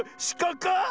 しかか？